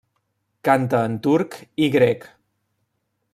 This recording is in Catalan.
Canta en turc i grec.